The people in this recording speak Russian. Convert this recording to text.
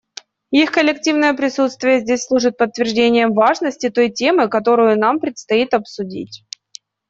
Их коллективное присутствие здесь служит подтверждением важности той темы, которую нам предстоит обсудить.